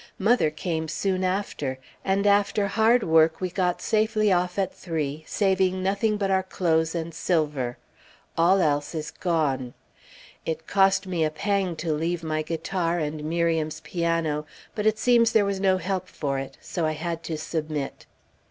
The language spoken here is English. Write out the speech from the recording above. Mother came soon after, and after hard work we got safely off at three, saving nothing but our clothes and silver. All else is gone. It cost me a pang to leave my guitar, and Miriam's piano, but it seems there was no help for it, so I had to submit.